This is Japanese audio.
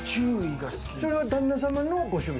それは旦那さんのご趣味。